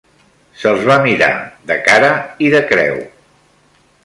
Se'ls va mirar de cara i de creu